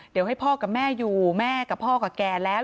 เดี๋ยวให้พ่อกับแม่อยู่แม่กับพ่อกับแก่แล้ว